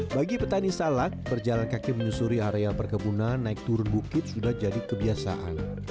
bagi petani salak berjalan kaki menyusuri area perkebunan naik turun bukit sudah jadi kebiasaan